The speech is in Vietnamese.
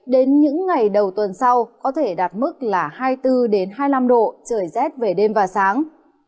đến những ngày đầu tuần sau có thể đạt mức là hai mươi bốn hai mươi năm độ trời rét về đêm và sáng